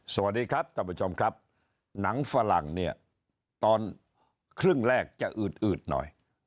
สวัสดีครับท่านผู้ชมครับหนังฝรั่งเนี่ยตอนครึ่งแรกจะอืดอืดหน่อย